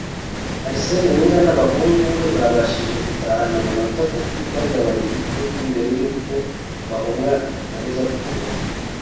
Arsene Wenger n'abahungu we babashije gutahana amanota atatu bagabanye igitutu mbere y'uko bahura na Liverpool